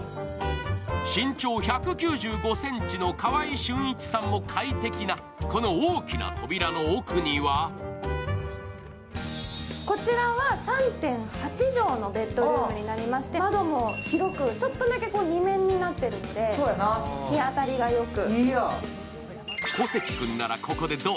身長１９５ｃｍの川合俊一さんも快適なこの大きな扉の奥にはこちらは３．８畳のベッドルームになりまして窓も広く、ちょっとだけ２面になっているので、日当たりがよく。